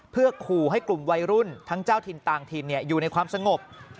เพื่อขู่ให้กลุ่มวัยรุ่นทั้งเจ้าถิ่นต่างถิ่นอยู่ในความสงบ